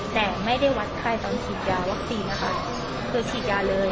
แต่ไม่ได้วัดไข้ตอนฉีดยาวัคซีนนะคะคือฉีดยาเลย